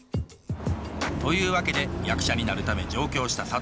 というわけで役者になるため上京した諭。